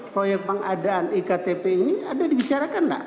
proyek pengadaan iktp ini ada dibicarakan nggak